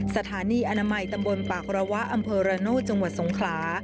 สถานีอนามัยตำบลปากระวะอำเภอระโนธจังหวัดสงขลา